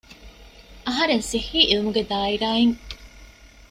އަހަރެން ސިއްހީ އިލްމުގެ ދާއިރާއިން